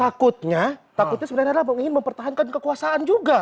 takutnya sebenarnya adalah pengingin mempertahankan kekuasaan juga